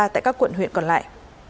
tại các quận huyện còn lại